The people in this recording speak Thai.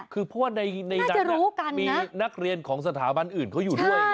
คือพวกในนักเรียนของสถาบันอื่นเขาอยู่ด้วย